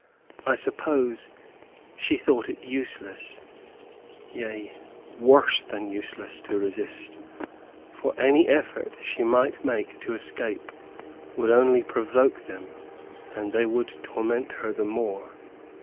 I suppose she thought it useless, yea, worse than useless, to resist; for any effort she might make to escape would only provoke them, and they would torment her the more.